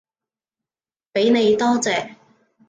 畀你，多謝